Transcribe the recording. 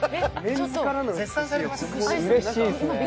ちょっと絶賛されています。